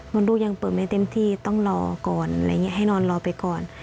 มันดูยังเปิดไม่เต็มที่ต้องรอก่อนอะไรอย่างนี้ให้นอนรอไปก่อน